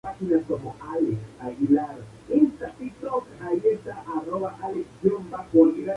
Ella había conocido a Loewe en Bletchley Park.